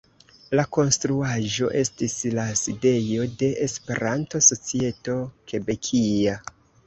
La konstruaĵo estis la sidejo de Esperanto-Societo Kebekia.